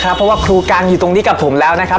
เพราะว่าครูกันอยู่ตรงนี้กับผมแล้วนะครับ